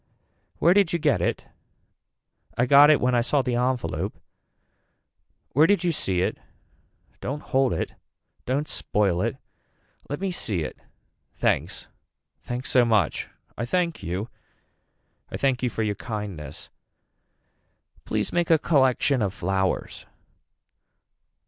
Where did you get it. I got it when I saw the envelope. Where did you see it. Don't hold it. Don't spoil it. Let me see it. Thanks. Thanks so much. I thank you. I thank you for your kindness. Please make a collection of flowers.